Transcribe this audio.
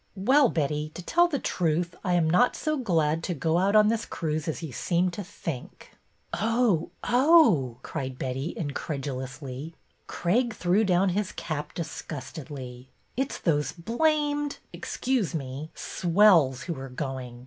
'' Well, Betty, to tell the truth, I am not so glad to go out on this cruise as you seem to think." '' Oh, oh !" cried Betty, incredulously. Craig threw down his cap disgustedly. It 's those blamed — excuse me — swells who are going.